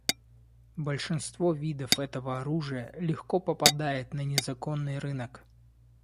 Большинство видов этого оружия легко попадает на незаконный рынок.